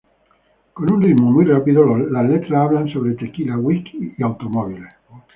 Con un ritmo muy rápido, las letras hablan sobre tequila, whisky y automóviles.